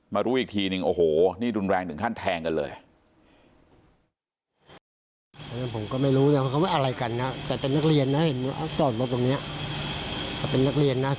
รู้อีกทีนึงโอ้โหนี่รุนแรงถึงขั้นแทงกันเลย